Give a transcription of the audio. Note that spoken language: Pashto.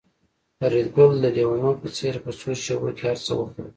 فریدګل د لېونو په څېر په څو شېبو کې هرڅه وخوړل